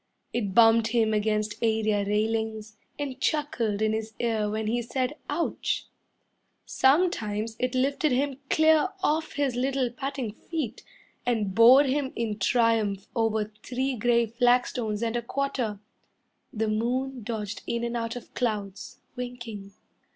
It bumped him against area railings, And chuckled in his ear when he said "Ouch!" Sometimes it lifted him clear off his little patting feet And bore him in triumph over three grey flagstones and a quarter. The moon dodged in and out of clouds, winking.